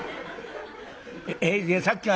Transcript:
「えっさっきは。